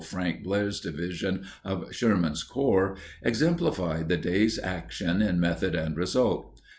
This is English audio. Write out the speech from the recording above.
Frank Blair's Division of Sherman's Corps, exemplified the day's action in method and result.